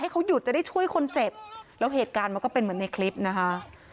เขาหยุดจะได้ช่วยคนเจ็บแล้วเหตุการณ์มันก็เป็นเหมือนในคลิปนะคะ